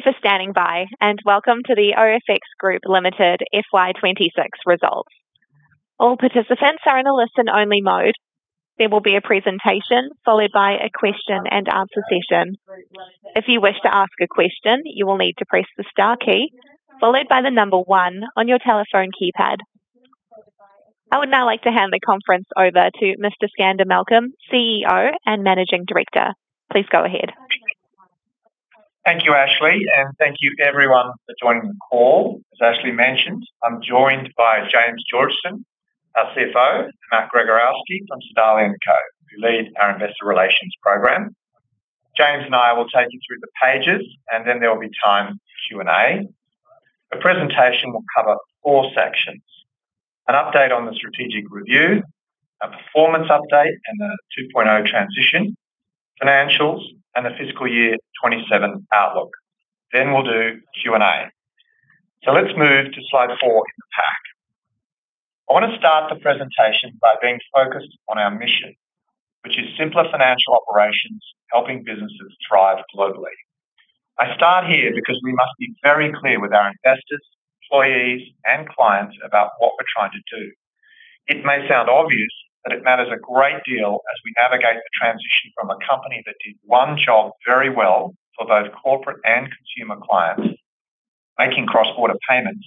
Thank you for standing by, and welcome to the OFX Group Limited FY 2026 results. I would now like to hand the conference over to Mr. Skander Malcolm, CEO and Managing Director. Please go ahead. Thank you, Ashley, and thank you everyone for joining the call. As Ashley mentioned, I'm joined by James Georgeson, our CFO, and Matthew Gregorowski from Sodali & Co., who lead our investor relations program. James and I will take you through the pages, and then there will be time for Q&A. The presentation will cover four sections: an update on the strategic review, a performance update and the 2.0 transition, financials, and the fiscal year 2027 outlook. We'll do Q&A. Let's move to slide four in the pack. I want to start the presentation by being focused on our mission, which is simpler financial operations helping businesses thrive globally. I start here because we must be very clear with our investors, employees, and clients about what we're trying to do. It may sound obvious, but it matters a great deal as we navigate the transition from a company that did one job very well for both corporate and consumer clients, making cross-border payments,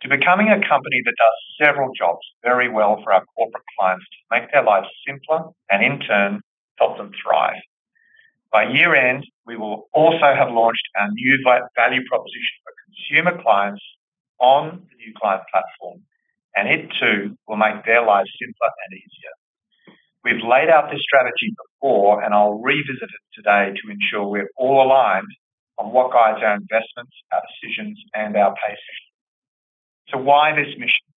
to becoming a company that does several jobs very well for our corporate clients to make their lives simpler and in turn help them thrive. By year-end, we will also have launched our new value proposition for consumer clients on the New Client Platform, and it, too, will make their lives simpler and easier. We've laid out this strategy before, and I'll revisit it today to ensure we're all aligned on what guides our investments, our decisions, and our pacing. Why this mission?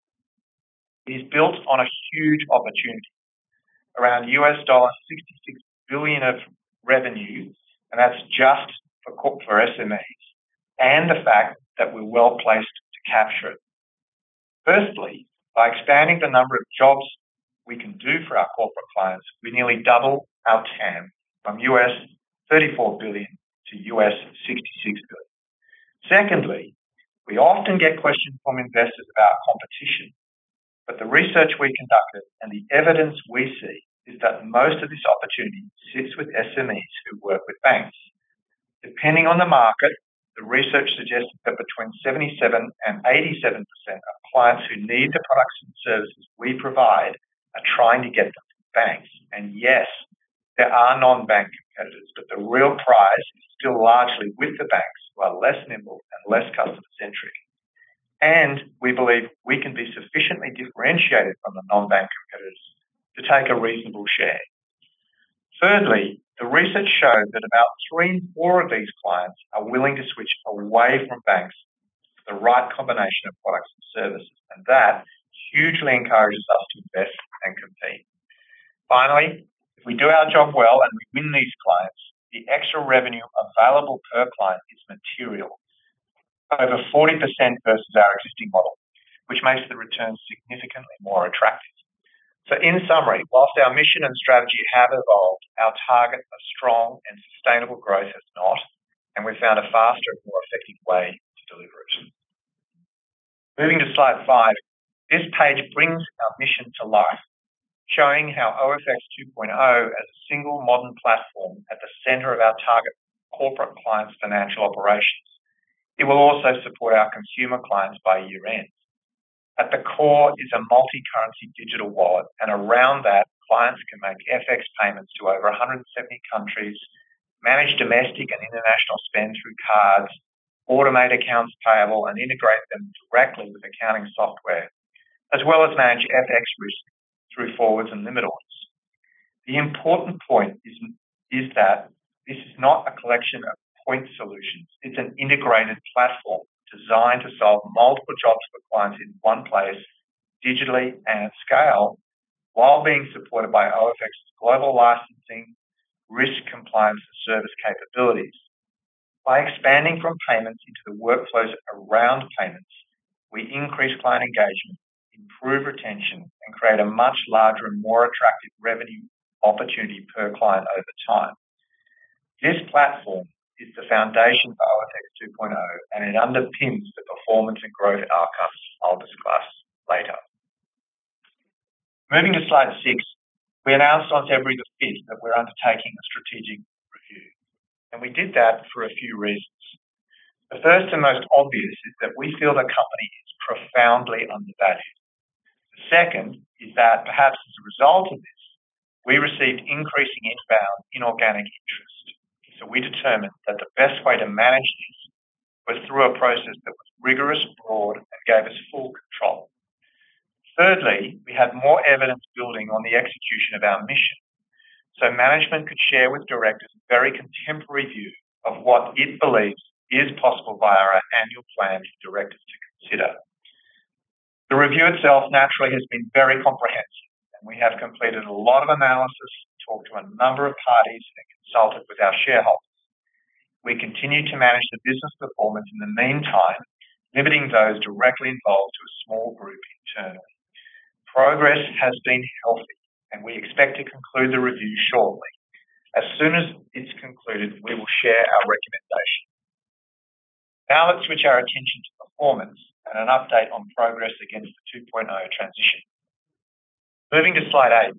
It is built on a huge opportunity. Around $66 billion of revenue, and that's just for SMEs, and the fact that we're well-placed to capture it. Firstly, by expanding the number of jobs we can do for our corporate clients, we nearly double our TAM from $34 billion to $66 billion. Secondly, we often get questions from investors about competition. The research we conducted and the evidence we see is that most of this opportunity sits with SMEs who work with banks. Depending on the market, the research suggests that between 77% and 87% of clients who need the products and services we provide are trying to get them from banks. Yes, there are non-bank competitors, but the real prize is still largely with the banks who are less nimble and less customer-centric. We believe we can be sufficiently differentiated from the non-bank competitors to take a reasonable share. Thirdly, the research showed that about three in four of these clients are willing to switch away from banks for the right combination of products and services, that hugely encourages us to invest and compete. Finally, if we do our job well and we win these clients, the extra revenue available per client is material. Over 40% versus our existing model, which makes the returns significantly more attractive. In summary, whilst our mission and strategy have evolved, our target for strong and sustainable growth has not, we found a faster and more effective way to deliver it. Moving to slide five. This page brings our mission to life, showing how OFX 2.0 as a single modern platform at the center of our target corporate clients' financial operations. It will also support our consumer clients by year-end. At the core is a multi-currency digital wallet. Around that, clients can make FX payments to over 170 countries, manage domestic and international spend through cards, automate accounts payable, and integrate them directly with accounting software, as well as manage FX risk through forwards and limit orders. The important point is that this is not a collection of point solutions. It's an integrated platform designed to solve multiple jobs for clients in one place, digitally and at scale, while being supported by OFX's global licensing, risk compliance, and service capabilities. By expanding from payments into the workflows around payments, we increase client engagement, improve retention, and create a much larger and more attractive revenue opportunity per client over time. This platform is the foundation for OFX 2.0. It underpins the performance and growth outcomes I'll discuss later. Moving to slide six. We announced on February the fifth that we're undertaking a strategic review. We did that for a few reasons. The first and most obvious is that we feel the company is profoundly undervalued. The second is that perhaps as a result of this, we received increasing inbound inorganic interest. We determined that the best way to manage this was through a process that was rigorous, broad, and gave us full control. Thirdly, we had more evidence building on the execution of our mission. Management could share with directors a very contemporary view of what it believes is possible via our annual plan for directors to consider. The review itself naturally has been very comprehensive. We have completed a lot of analysis, talked to a number of parties, and consulted with our shareholders. We continue to manage the business performance in the meantime, limiting those directly involved to a small group internally. Progress has been healthy. We expect to conclude the review shortly. As soon as it's concluded, we will share our recommendation. Let's switch our attention to performance and an update on progress against the 2.0 transition. Moving to slide eight.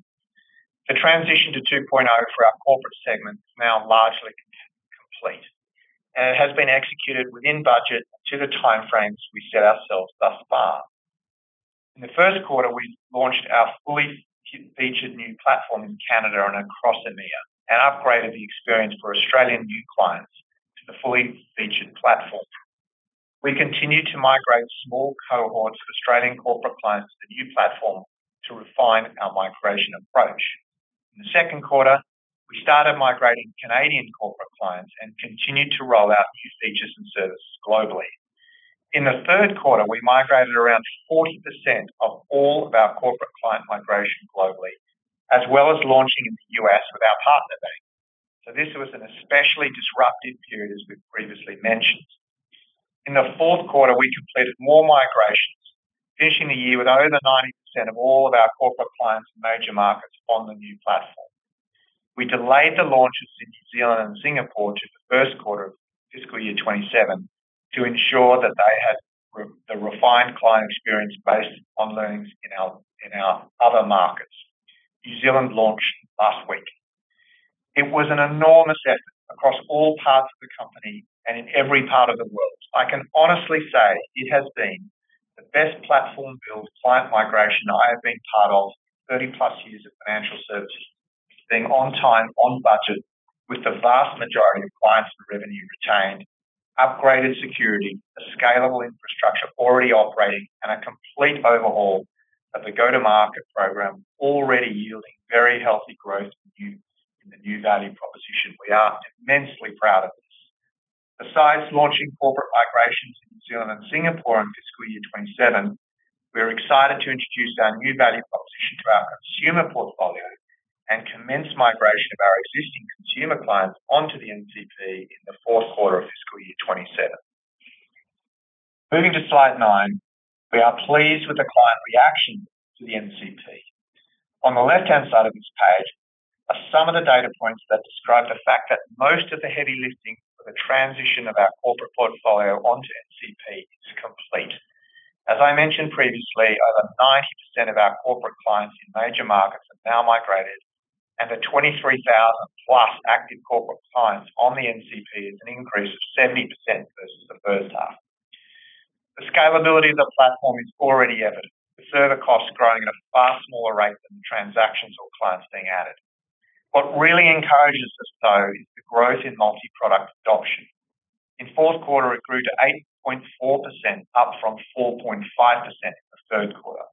The transition to 2.0 for our corporate segment is now largely complete, and it has been executed within budget to the time frames we set ourselves thus far. In the first quarter, we launched our fully featured new platform in Canada and across EMEA and upgraded the experience for Australian new clients to the fully featured platform. We continued to migrate small cohorts of Australian corporate clients to the new platform to refine our migration approach. In the second quarter, we started migrating Canadian corporate clients and continued to roll out new features and services globally. In the third quarter, we migrated around 40% of all of our corporate client migration globally, as well as launching in the U.S. with our partner bank. This was an especially disruptive period, as we've previously mentioned. In the fourth quarter, we completed more migrations, finishing the year with over 90% of all of our corporate clients in major markets on the new platform. We delayed the launches in New Zealand and Singapore to the first quarter of fiscal year 2027 to ensure that they had the refined client experience based on learnings in our other markets. New Zealand launched last week. It was an enormous effort across all parts of the company and in every part of the world. I can honestly say it has been the best platform build client migration I have been part of in 30-plus years of financial services, being on time, on budget, with the vast majority of clients and revenue retained, upgraded security, a scalable infrastructure already operating, and a complete overhaul of the go-to-market program already yielding very healthy growth in new, in the new value proposition. We are immensely proud of this. Besides launching corporate migrations in New Zealand and Singapore in fiscal year 2027, we are excited to introduce our new value proposition to our consumer portfolio and commence migration of our existing consumer clients onto the NCP in the 4th quarter of fiscal year 2027. Moving to slide nine. We are pleased with the client reaction to the NCP. On the left-hand side of this page are some of the data points that describe the fact that most of the heavy lifting for the transition of our corporate portfolio onto NCP is complete. As I mentioned previously, over 90% of our corporate clients in major markets have now migrated, and the 23,000 plus active corporate clients on the NCP is an increase of 70% versus the first half. The scalability of the platform is already evident, the server costs growing at a far smaller rate than the transactions or clients being added. What really encourages us, though, is the growth in multi-product adoption. In fourth quarter, it grew to 8.4%, up from 4.5% in the third quarter.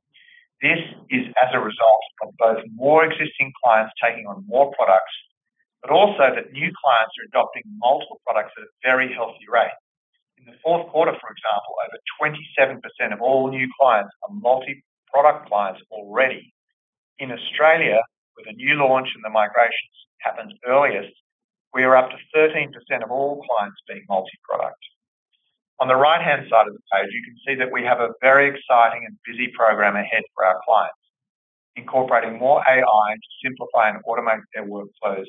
This is as a result of both more existing clients taking on more products, but also that new clients are adopting multiple products at a very healthy rate. In the 4th quarter, for example, over 27% of all new clients are multi-product clients already. In Australia, with a new launch and the migrations happened earliest, we are up to 13% of all clients being multi-product. On the right-hand side of the page, you can see that we have a very exciting and busy program ahead for our clients. Incorporating more AI to simplify and automate their workflows,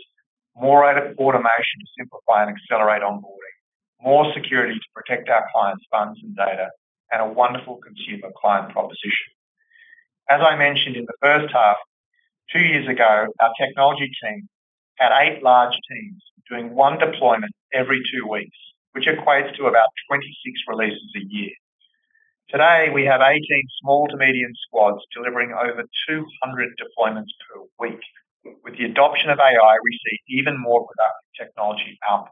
more automation to simplify and accelerate onboarding, more security to protect our clients' funds and data, and a wonderful consumer client proposition. As I mentioned in the first half, two years ago, our technology team had eight large teams doing one deployment every two weeks, which equates to about 26 releases a year. Today, we have 18 small to medium squads delivering over 200 deployments per week. With the adoption of AI, we see even more productive technology output.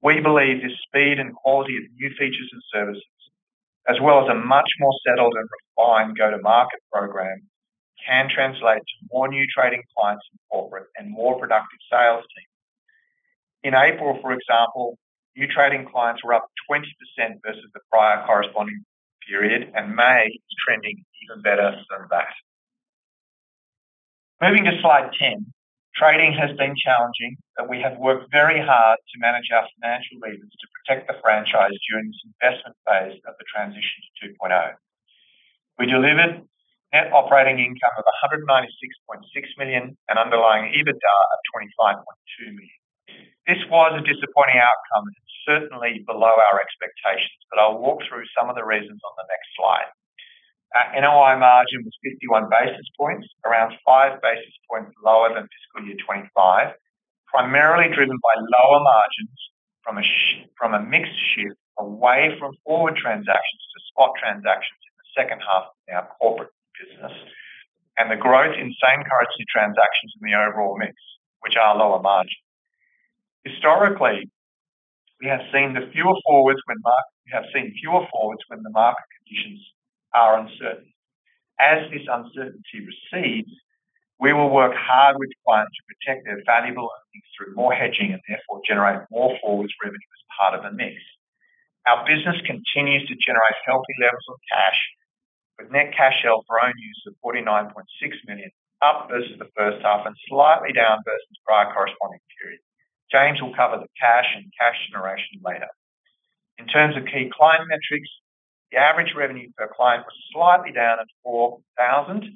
We believe the speed and quality of new features and services. As well as a much more settled and refined go-to-market program, can translate to more new trading clients in corporate and more productive sales teams. In April, for example, new trading clients were up 20% versus the prior corresponding period, and May is trending even better than that. Moving to slide 10. Trading has been challenging, we have worked very hard to manage our financial levers to protect the franchise during this investment phase of the transition to OFX 2.0. We delivered Net Operating Income of 196.6 million and underlying EBITDA of 25.2 million. This was a disappointing outcome and certainly below our expectations, I'll walk through some of the reasons on the next slide. Our NOI margin was 51 basis points, around 5 basis points lower than FY 2025, primarily driven by lower margins from a mix shift away from forward transactions to spot transactions in the second half of our corporate business and the growth in same-currency transactions in the overall mix, which are lower margin. Historically, we have seen fewer forwards when the market conditions are uncertain. As this uncertainty recedes, we will work hard with clients to protect their valuable earnings through more hedging and therefore generate more forwards revenue as part of the mix. Our business continues to generate healthy levels of cash, with net cash outflow for own use of 49.6 million, up versus the 1st half and slightly down versus prior corresponding period. James will cover the cash and cash generation later. In terms of key client metrics, the average revenue per client was slightly down at 4,000,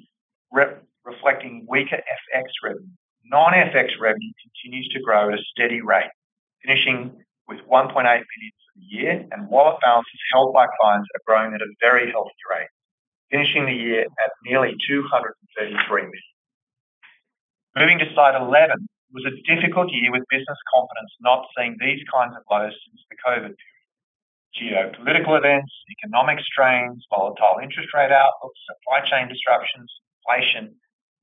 re-reflecting weaker FX revenue. Non-FX revenue continues to grow at a steady rate, finishing with 1.8 billion for the year, and wallet balances held by clients are growing at a very healthy rate, finishing the year at nearly 233 million. Moving to slide 11. It was a difficult year with business confidence not seeing these kinds of lows since the COVID period. Geopolitical events, economic strains, volatile interest rate outlooks, supply chain disruptions, inflation,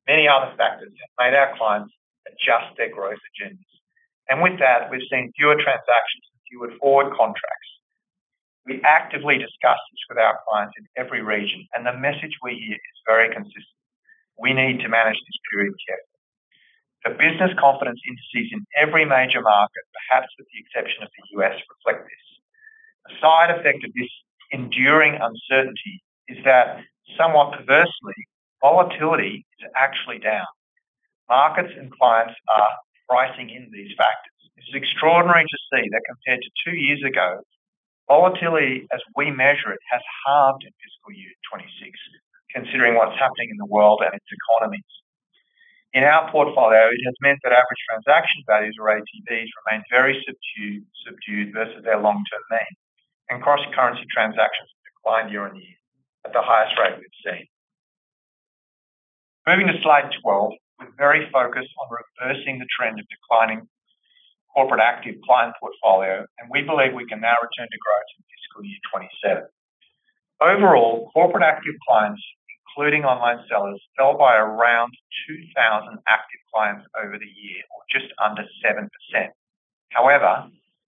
many other factors have made our clients adjust their growth agendas. With that, we've seen fewer transactions and fewer forward contracts. We actively discuss this with our clients in every region, and the message we hear is very consistent: We need to manage this period carefully. The business confidence indices in every major market, perhaps with the exception of the U.S., reflect this. A side effect of this enduring uncertainty is that somewhat perversely, volatility is actually down. Markets and clients are pricing in these factors. This is extraordinary to see that compared to two years ago, volatility, as we measure it, has halved in fiscal year 2026, considering what's happening in the world and its economies. In our portfolio, it has meant that Average Transaction Values or ATVs remain very subdued versus their long-term mean, and cross-currency transactions have declined year-on-year at the highest rate we've seen. Moving to slide 12. We're very focused on reversing the trend of declining corporate active client portfolio. We believe we can now return to growth in fiscal year 2027. Overall, corporate active clients, including online sellers, fell by around 2,000 active clients over the year or just under 7%.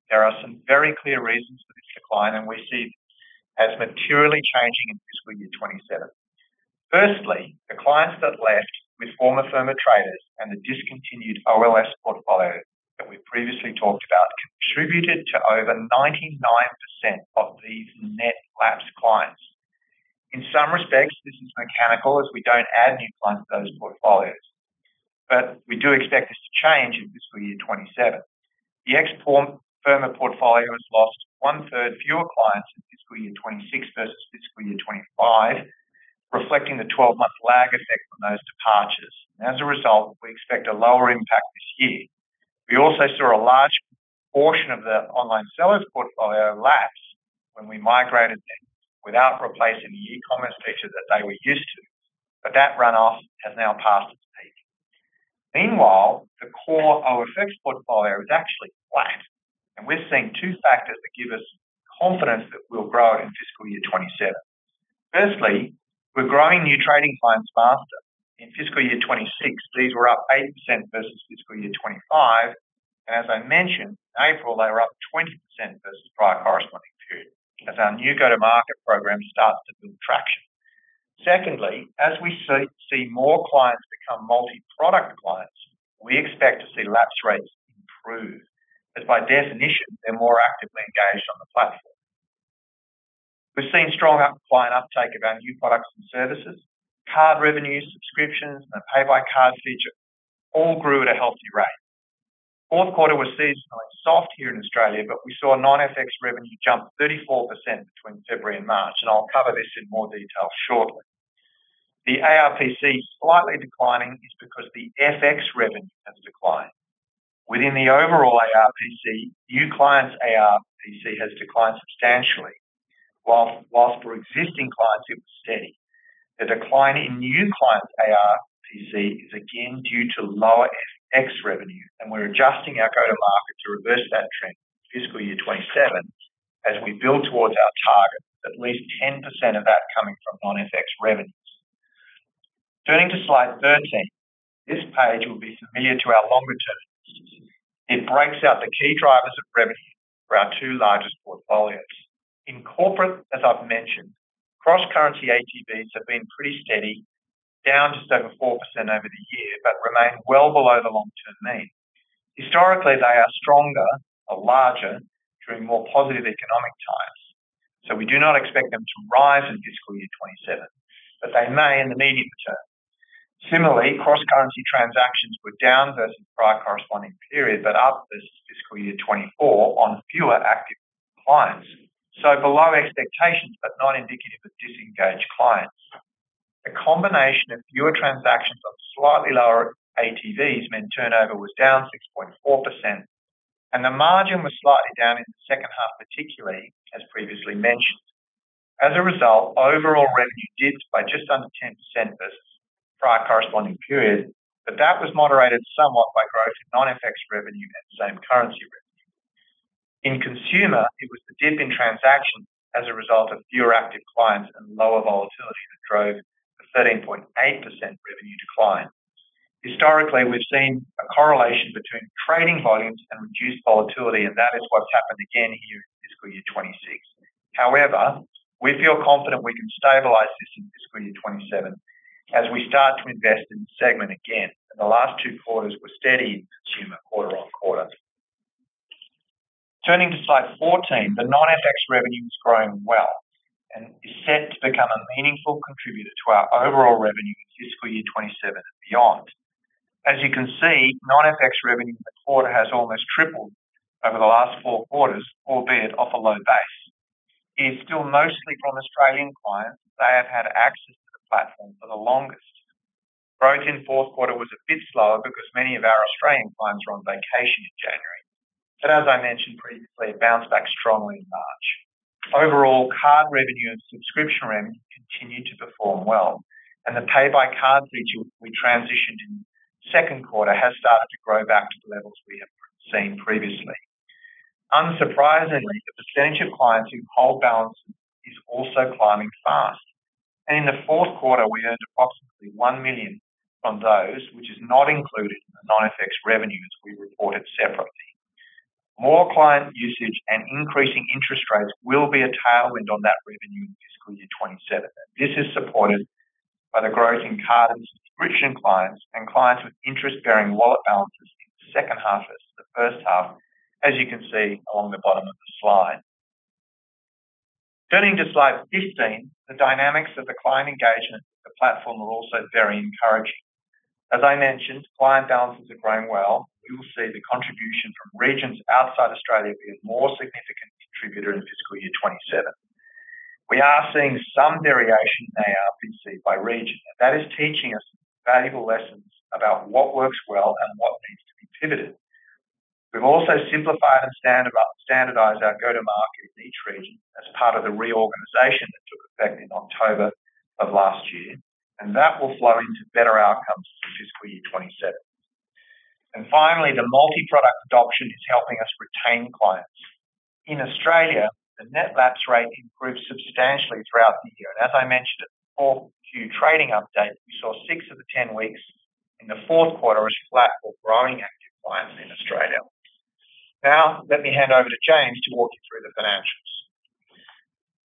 There are some very clear reasons for this decline. We see this as materially changing in fiscal year 2027. Firstly, the clients that left with former Firma traders and the discontinued OLS portfolio that we previously talked about contributed to over 99% of these net lapsed clients. In some respects, this is mechanical as we don't add new clients to those portfolios. We do expect this to change in fiscal year 2027. The ex-Firma portfolio has lost one-third fewer clients in fiscal year 2026 versus fiscal year 2025, reflecting the 12-month lag effect from those departures. As a result, we expect a lower impact this year. We also saw a large portion of the online sellers portfolio lapse when we migrated them without replacing the e-commerce feature that they were used to. That runoff has now passed its peak. Meanwhile, the core OFX portfolio is actually flat, and we're seeing two factors that give us confidence that we'll grow it in fiscal year 2027. Firstly, we're growing new trading clients faster. In fiscal year 2026, these were up 8% versus fiscal year 2025. As I mentioned, in April, they were up 20% versus prior corresponding period as our new go-to-market program starts to build traction. Secondly, as we see more clients become multi-product clients, we expect to see lapse rates improve. As by definition, they're more actively engaged on the platform. We've seen strong client uptake of our new products and services. Card revenues, subscriptions, and Pay By Card feature all grew at a healthy rate. Fourth quarter was seasonally soft here in Australia, we saw non-FX revenue jump 34% between February and March, I'll cover this in more detail shortly. The ARPC slightly declining is because the FX revenue has declined. Within the overall ARPC, new clients ARPC has declined substantially, whilst for existing clients it was steady. The decline in new clients ARPC is again due to lower FX revenue. We're adjusting our go-to-market to reverse that trend in fiscal year 2027 as we build towards our target of at least 10% of that coming from non-FX revenues. Turning to slide 13. This page will be familiar to our longer-term investors. It breaks out the key drivers of revenue for our two largest portfolios. In corporate, as I've mentioned, cross-currency ATVs have been pretty steady, down just over 4% over the year, but remain well below the long-term mean. Historically, they are stronger or larger during more positive economic times. We do not expect them to rise in fiscal year 2027, but they may in the medium term. Similarly, cross-currency transactions were down versus prior corresponding period but up versus fiscal year 2024 on fewer active clients. Below expectations, but not indicative of disengaged clients. The combination of fewer transactions on slightly lower ATVs meant turnover was down 6.4% and the margin was slightly down in the second half, particularly as previously mentioned. Overall revenue dipped by just under 10% versus prior corresponding period, but that was moderated somewhat by growth in non-FX revenue and same-currency revenue. In consumer, it was the dip in transactions as a result of fewer active clients and lower volatility that drove the 13.8% revenue decline. Historically, we've seen a correlation between trading volumes and reduced volatility, and that is what's happened again here in fiscal year 2026. We feel confident we can stabilize this in fiscal year 2027 as we start to invest in the segment again, and the last two quarters were steady in consumer quarter-on-quarter. Turning to slide 14. The non-FX revenue is growing well and is set to become a meaningful contributor to our overall revenue in fiscal year 2027 and beyond. As you can see, non-FX revenue in the quarter has almost tripled over the last four quarters, albeit off a low base. It's still mostly from Australian clients. They have had access to the platform for the longest. Growth in fourth quarter was a bit slower because many of our Australian clients were on vacation in January. As I mentioned previously, it bounced back strongly in March. Overall, card revenue and subscription revenue continued to perform well, and the Pay By Card feature we transitioned in second quarter has started to grow back to the levels we have seen previously. Unsurprisingly, the percentage of clients who hold balances is also climbing fast. In the fourth quarter, we earned approximately 1 million from those, which is not included in the non-FX revenue, as we report it separately. More client usage and increasing interest rates will be a tailwind on that revenue in fiscal year 2027. This is supported by the growth in card and subscription clients and clients with interest-bearing wallet balances in the second half as the first half, as you can see along the bottom of the slide. Turning to slide 15, the dynamics of the client engagement with the platform are also very encouraging. As I mentioned, client balances are growing well. We will see the contribution from regions outside Australia be a more significant contributor in fiscal year 2027. We are seeing some variation in ARPC by region, and that is teaching us valuable lessons about what works well and what needs to be pivoted. We've also simplified and standardized our go-to-market in each region as part of the reorganization that took effect in October of last year, and that will flow into better outcomes for FY 2027. Finally, the multi-product adoption is helping us retain clients. In Australia, the net lapse rate improved substantially throughout the year. As I mentioned at the fourth Q trading update, we saw six of the 10 weeks in the fourth quarter as flat or growing active clients in Australia. Now, let me hand over to James to walk you through the financials.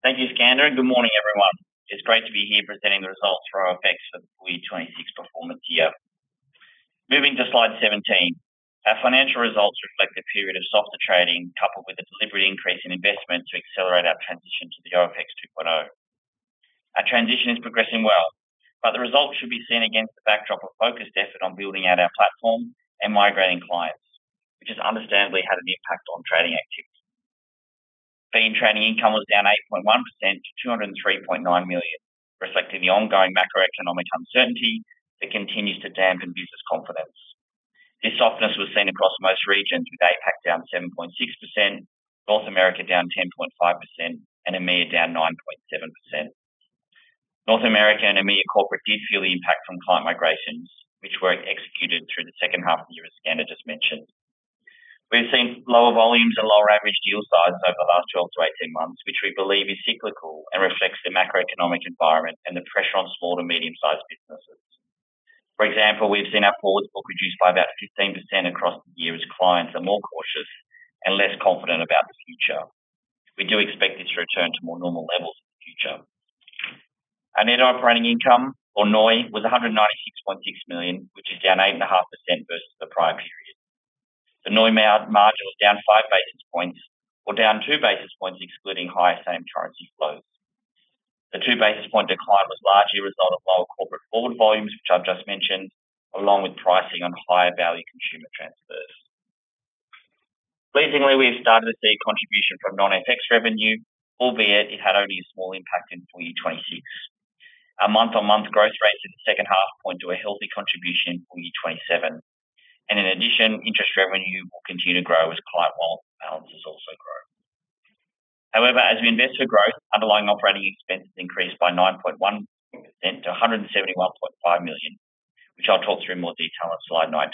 Thank you, Skander. Good morning, everyone. It's great to be here presenting the results for OFX for the full year 26 performance year. Moving to slide 17. Our financial results reflect a period of softer trading, coupled with a deliberate increase in investment to accelerate our transition to the OFX 2.0. Our transition is progressing well. The results should be seen against the backdrop of focused effort on building out our platform and migrating clients, which has understandably had an impact on trading activity. Fee and trading income was down 8.1% to 203.9 million, reflecting the ongoing macroeconomic uncertainty that continues to dampen business confidence. This softness was seen across most regions, with APAC down 7.6%, North America down 10.5%, and EMEA down 9.7%. North America and EMEA corporate did feel the impact from client migrations, which were executed through the second half of the year, as Skander just mentioned. We've seen lower volumes and lower average deal size over the last 12 to 18 months, which we believe is cyclical and reflects the macroeconomic environment and the pressure on small to medium-sized businesses. For example, we've seen our forwards book reduce by about 15% across the year as clients are more cautious and less confident about the future. We do expect this to return to more normal levels in the future. Our Net Operating Income, or NOI, was 196.6 million, which is down 8.5% versus the prior period. The NOI margin was down 5 basis points or down 2 basis points, excluding higher same-currency flows. The two basis point decline was largely a result of lower corporate forward volumes, which I've just mentioned, along with pricing on higher value consumer transfers. Pleasingly, we've started to see a contribution from non-FX revenue, albeit it had only a small impact in full year 2026. Our month-on-month growth rates in the second half point to a healthy contribution full year 2027. In addition, interest revenue will continue to grow as client wallet balances also grow. However, as we invest for growth, underlying operating expenses increased by 9.1% to 171.5 million, which I'll talk through in more detail on slide 19.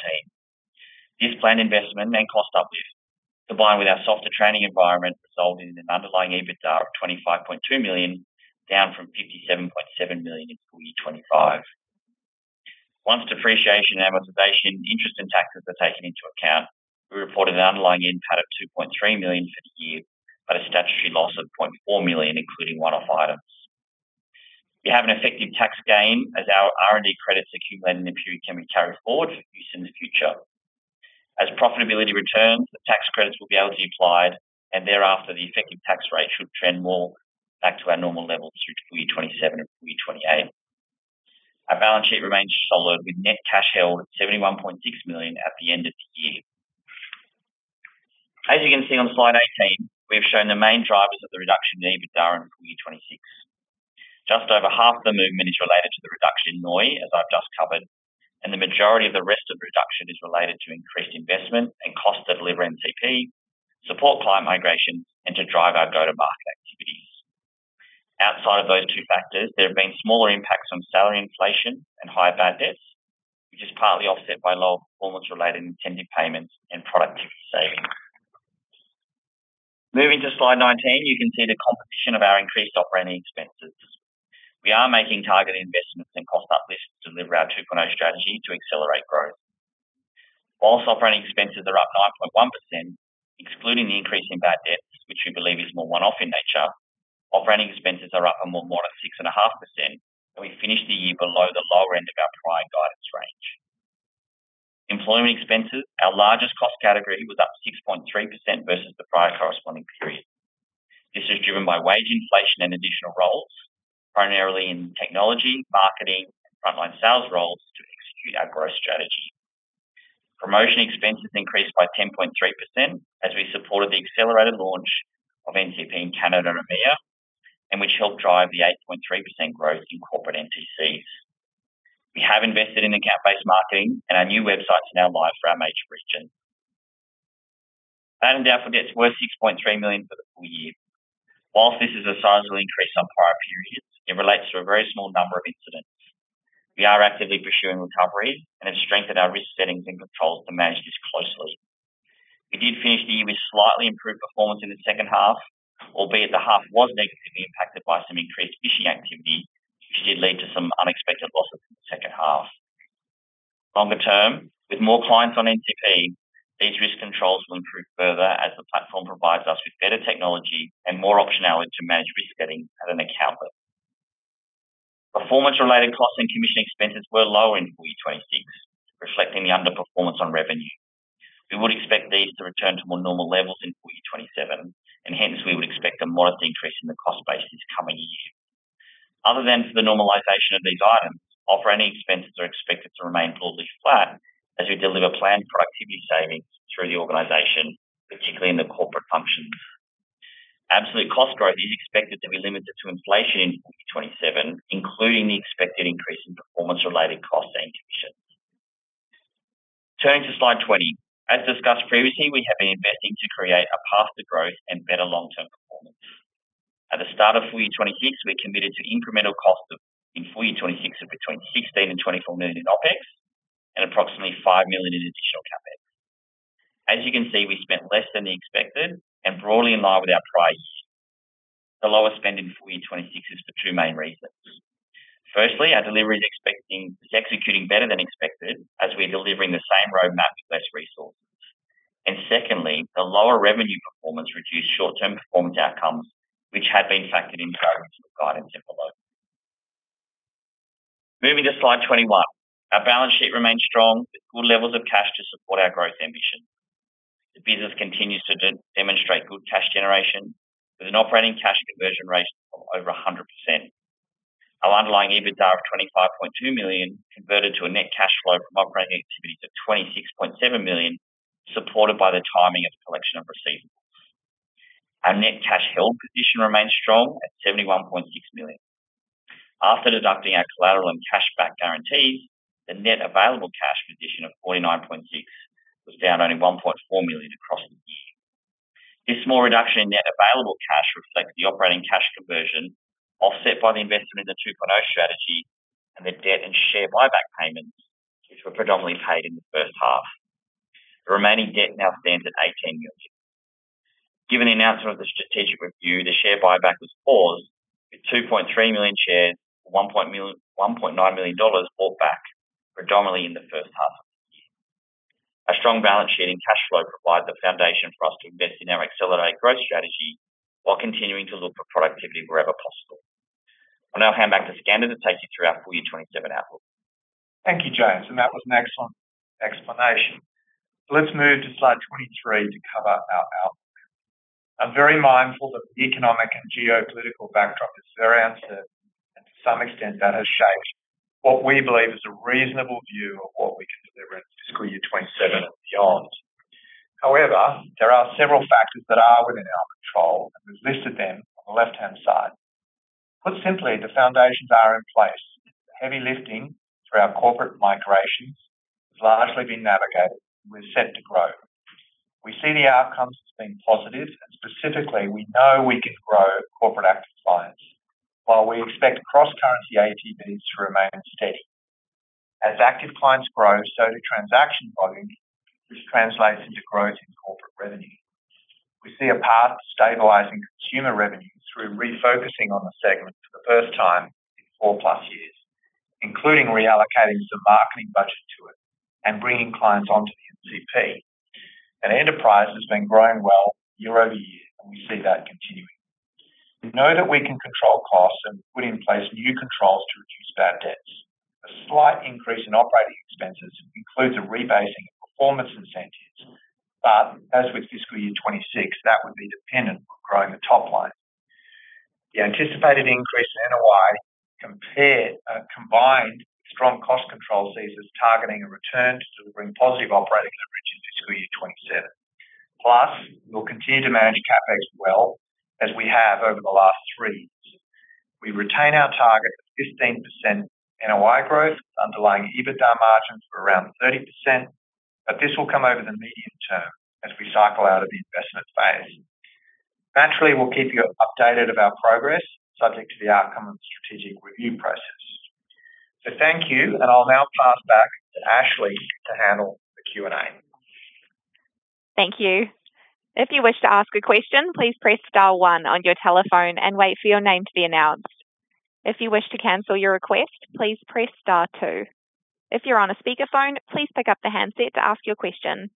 This planned investment and cost uplift, combined with our softer trading environment, resulted in an underlying EBITDA of 25.2 million, down from 57.7 million in full year 2025. Once depreciation, amortization, interest, and taxes are taken into account, we reported an underlying NPAT of 2.3 million for the year, but a statutory loss of 0.4 million, including one-off items. We have an effective tax gain as our R&D credits accumulate, in theory can be carried forward for use in the future. As profitability returns, the tax credits will be able to be applied, thereafter, the effective tax rate should trend more back to our normal levels through to full year 2027 and full year 2028. Our balance sheet remains solid, with net cash held at AUD 71.6 million at the end of the year. As you can see on slide 18, we have shown the main drivers of the reduction in EBITDA in full year 2026. Just over half the movement is related to the reduction in NOI, as I've just covered, and the majority of the rest of the reduction is related to increased investment and cost to deliver NCP, support client migration, and to drive our go-to-market activities. Outside of those two factors, there have been smaller impacts from salary inflation and higher bad debts, which is partly offset by lower performance-related incentive payments and productivity savings. Moving to slide 19, you can see the composition of our increased operating expenses. We are making targeted investments and cost uplifts to deliver our 2.0 strategy to accelerate growth. Whilst operating expenses are up 9.1%, excluding the increase in bad debts, which we believe is more one-off in nature, operating expenses are up a more modest 6.5%. We finished the year below the lower end of our prior guidance range. Employment expenses, our largest cost category, was up 6.3% versus the prior corresponding period, driven by wage inflation and additional roles, primarily in technology, marketing, and frontline sales roles to execute our growth strategy. Promotion expenses increased by 10.3% as we supported the accelerated launch of NCP in Canada and EMEA, and which helped drive the 8.3% growth in corporate NTCs. We have invested in account-based marketing, and our new website's now live for our major regions. Bad and doubtful debts were 6.3 million for the full year. Whilst this is a sizable increase on prior periods, it relates to a very small number of incidents. We are actively pursuing recoveries and have strengthened our risk settings and controls to manage this closely. We did finish the year with slightly improved performance in the second half, albeit the half was negatively impacted by some increased phishing activity which did lead to some unexpected losses in the second half. Longer term, with more clients on NCP, these risk controls will improve further as the platform provides us with better technology and more optionality to manage risk settings at an account level. Performance-related costs and commission expenses were lower in full year 2026, reflecting the underperformance on revenue. We would expect these to return to more normal levels in full year 2027, and hence we would expect a modest increase in the cost base this coming year. Other than for the normalization of these items, operating expenses are expected to remain broadly flat as we deliver planned productivity savings through the organization, particularly in the corporate functions. Absolute cost growth is expected to be limited to inflation in full year 2027, including the expected increase in performance-related costs and commissions. Turning to slide 20. Discussed previously, we have been investing to create a path to growth and better long-term performance. At the start of full year 2026, we committed to incremental costs of, in full year 2026, of between 16 million and 24 million in OpEx and approximately 5 million in additional CapEx. You can see, we spent less than the expected and broadly in line with our prior years. The lower spend in full year 2026 is for two main reasons. Firstly, our delivery is executing better than expected as we're delivering the same roadmap with less resources. Secondly, the lower revenue performance reduced short-term performance outcomes, which had been factored into our initial guidance in full load. Moving to slide 21. Our balance sheet remains strong with good levels of cash to support our growth ambition. The business continues to demonstrate good cash generation with an operating cash conversion rate of over 100%. Our underlying EBITDA of 25.2 million converted to a net cash flow from operating activities of 26.7 million, supported by the timing of collection of receivables. Our net cash held position remains strong at 71.6 million. After deducting our collateral and cash back guarantees, the net available cash position of 49.6 was down only 1.4 million across the year. This small reduction in net available cash reflects the operating cash conversion, offset by the investment in the OFX 2.0 strategy and the debt and share buyback payments, which were predominantly paid in the first half. The remaining debt now stands at 18 million. Given the announcement of the strategic review, the share buyback was paused, with 2.3 million shares, 1.9 million dollars bought back predominantly in the first half of the year. A strong balance sheet and cash flow provides a foundation for us to invest in our accelerated growth strategy while continuing to look for productivity wherever possible. I'll now hand back to Skander to take you through our full year 2027 outlook. Thank you, James. That was an excellent explanation. Let's move to slide 23 to cover our outlook. I'm very mindful that the economic and geopolitical backdrop is very uncertain. To some extent, that has shaped what we believe is a reasonable view of what we can deliver in FY 2027 and beyond. However, there are several factors that are within our control. We've listed them on the left-hand side. Put simply, the foundations are in place. The heavy lifting through our corporate migrations has largely been navigated. We're set to grow. We see the outcomes as being positive. Specifically, we know we can grow corporate active clients, while we expect cross-currency ATVs to remain steady. As active clients grow, so do transaction volume, which translates into growth in corporate revenue. We see a path to stabilizing consumer revenue through refocusing on the segment for the first time in four-plus years, including reallocating some marketing budget to it and bringing clients onto the NCP. Enterprise has been growing well year-over-year, and we see that continuing. We know that we can control costs and put in place new controls to reduce bad debts. A slight increase in operating expenses includes a rebasing of performance incentives, but as with fiscal year 2026, that would be dependent on growing the top line. The anticipated increase in NOI combined with strong cost control sees us targeting a return to delivering positive operating leverage in fiscal year 2027. We'll continue to manage CapEx well, as we have over the last three years. We retain our target of 15% NOI growth with underlying EBITDA margins of around 30%, but this will come over the medium term as we cycle out of the investment phase. Naturally, we'll keep you updated of our progress subject to the outcome of the strategic review process. Thank you, and I'll now pass back to Ashley to handle the Q&A. Thank you. If you wish to ask a question, please press star one on your telephone and wait for your name to be announced. If you wish to cancel your request, please press star two. If you're on a speakerphone, please pick up the handset to ask your question.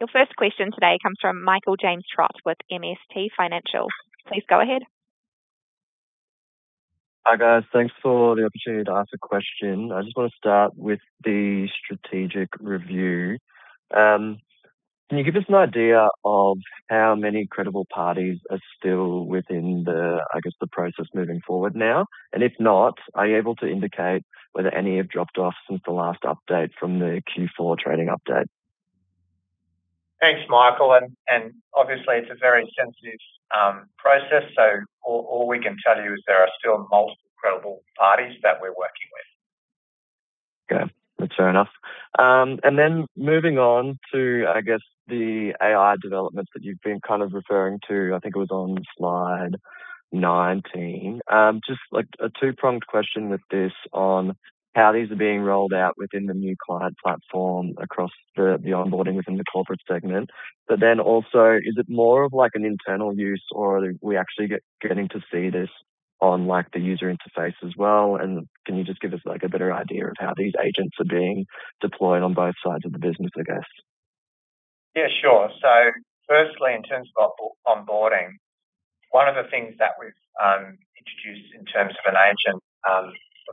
Your first question today comes from Michael James Trott with MST Financial. Please go ahead. Hi, guys. Thanks for the opportunity to ask a question. I just want to start with the strategic review. Can you give us an idea of how many credible parties are still within the, I guess, the process moving forward now? If not, are you able to indicate whether any have dropped off since the last update from the Q4 trading update? Thanks, Michael. Obviously, it's a very sensitive process. All we can tell you is there are still multiple credible parties that we're working with. Okay. That's fair enough. Moving on to, I guess, the AI developments that you've been kind of referring to, I think it was on slide 19. Just like a two-pronged question with this on how these are being rolled out within the New Client Platform across the onboarding within the corporate segment. Also, is it more of like an internal use or are we actually getting to see this on, like, the user interface as well? Can you just give us, like, a better idea of how these agents are being deployed on both sides of the business, I guess? Yeah, sure. Firstly, in terms of onboarding, one of the things that we've introduced in terms of an agent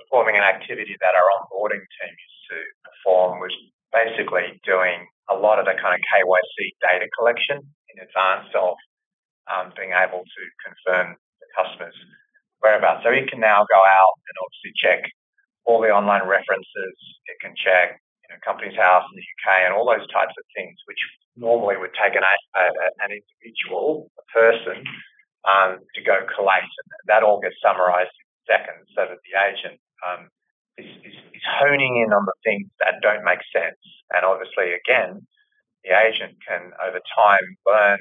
performing an activity that our onboarding team used to perform, which basically doing a lot of the kind of KYC data collection in advance of being able to confirm the customer's whereabouts. It can now go out and obviously check all the online references. It can check, you know, Companies House in the U.K. and all those types of things, which normally would take an individual, a person to go collect. That all gets summarized in seconds so that the agent is honing in on the things that don't make sense. Obviously, again, the agent can, over time, learn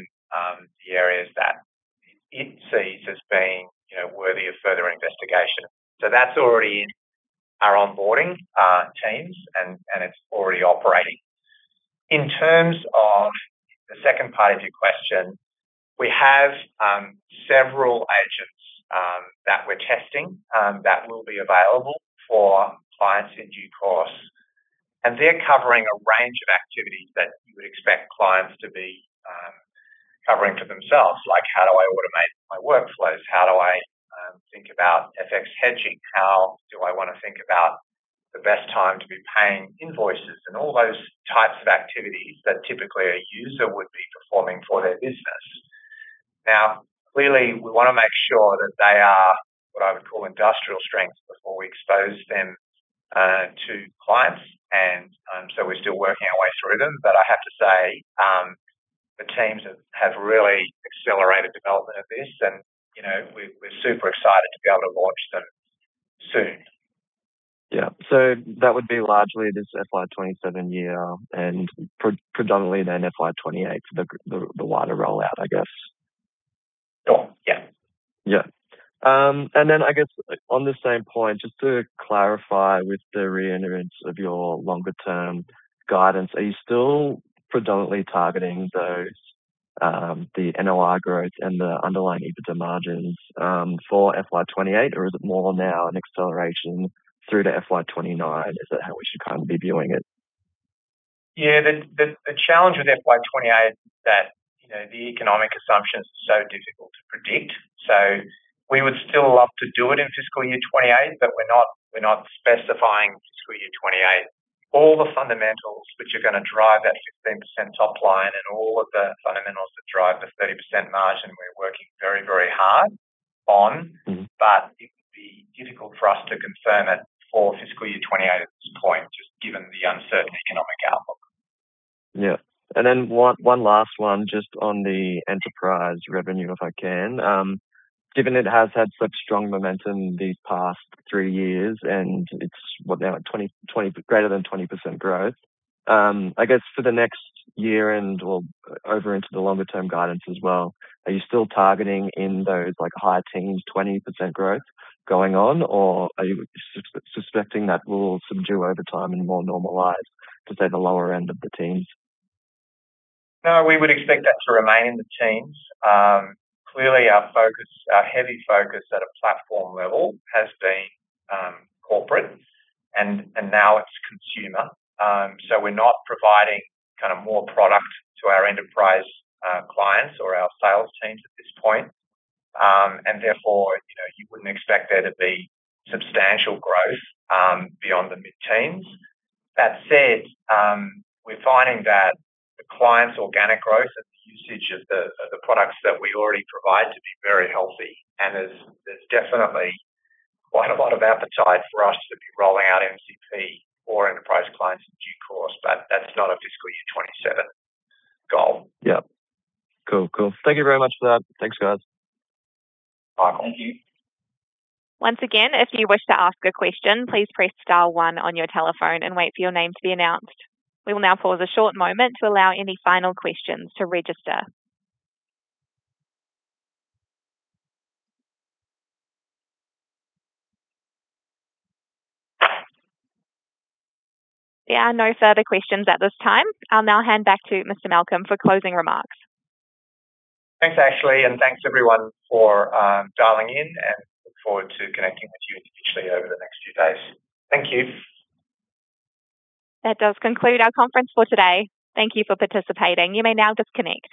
the areas that it sees as being, you know, worthy of further investigation. That's already in our onboarding teams, and it's already operating. In terms of the second part of your question, we have several agents that we're testing that will be available for clients in due course. They're covering a range of activities that you would expect clients to be covering for themselves, like how do I automate my workflows? How do I think about FX hedging? How do I want to think about the best time to be paying invoices and all those types of activities that typically a user would be performing for their business. Clearly, we want to make sure that they are what I would call industrial strength before we expose them to clients. We're still working our way through them. I have to say, the teams have really accelerated development of this and, you know, we're super excited to be able to launch them soon. Yeah. That would be largely this FY 2027 year and predominantly then FY 2028 for the wider rollout, I guess. Sure. Yeah. Yeah. I guess on the same point, just to clarify with the reintroduce of your longer term guidance, are you still predominantly targeting those, the NOI growth and the underlying EBITDA margins, for FY 2028, or is it more now an acceleration through to FY 2029? Is that how we should kind of be viewing it? The, the challenge with FY 2028 is that, you know, the economic assumptions are so difficult to predict. We would still love to do it in fiscal year 2028, but we're not specifying fiscal year 2028. All the fundamentals which are gonna drive that 16% top line and all of the fundamentals that drive the 30% margin we're working very, very hard on. It would be difficult for us to confirm it for fiscal year 2028 at this point, just given the uncertain economic outlook. Yeah. One last one, just on the enterprise revenue, if I can. Given it has had such strong momentum these past three years, and it's what now, like greater than 20% growth. I guess for the next year or over into the longer term guidance as well, are you still targeting in those, like, high teens, 20% growth going on? Or are you suspecting that will subdue over time and more normalize to, say, the lower end of the teens? No, we would expect that to remain in the teens. Clearly, our focus, our heavy focus at a platform level has been corporate and now it's consumer. We're not providing kind of more product to our enterprise clients or our sales teams at this point. Therefore, you know, you wouldn't expect there to be substantial growth beyond the mid-teens. That said, we're finding that the client's organic growth and the usage of the products that we already provide to be very healthy. There's definitely quite a lot of appetite for us to be rolling out NCP for enterprise clients in due course, but that's not a fiscal year 2027 goal. Yeah. Cool. Cool. Thank you very much for that. Thanks, guys. Bye. Thank you. Once again, if you wish to ask a question, please press star one on your telephone and wait for your name to be announced. We will now pause a short moment to allow any final questions to register. There are no further questions at this time. I'll now hand back to Mr. Malcolm for closing remarks. Thanks, Ashley. Thanks everyone for dialing in, and look forward to connecting with you individually over the next few days. Thank you. That does conclude our conference for today. Thank you for participating. You may now disconnect.